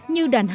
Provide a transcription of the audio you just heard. như đàn hàng